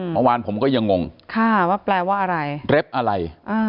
เมื่อวานผมก็ยังงงค่ะว่าแปลว่าอะไรเร็บอะไร